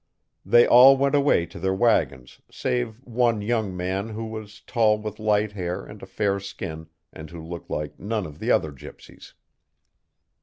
They all went away to their wagons, save one young man, who was tall with light hair and a fair skin, and who looked like none of the other gypsies.